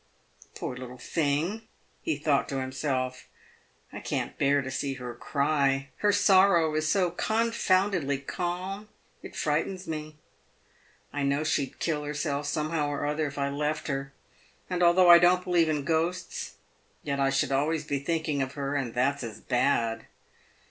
" Poor little thing !" he thought to himself, " I can't bear to see her cry. Her sorrow is so confoundedly calm it frightens me. I know she'd kill herself somehow or other if I left her, and, although I don't believe in ghosts, yet I should be always thinking of her, and that's as bad.